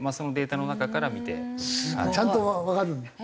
すごい。ちゃんとわかるんだ。